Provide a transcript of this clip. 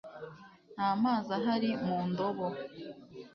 Nta mazi ahari mu ndobo